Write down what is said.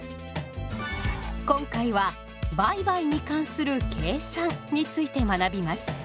今回は「売買に関する計算」について学びます。